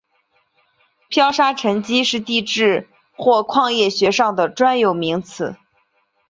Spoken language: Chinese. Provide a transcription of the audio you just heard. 漂砂沉积是地质或矿业学上的专有名词。